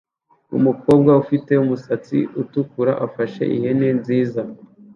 Umukobwa ufite umusatsi utukura afashe ihene nziza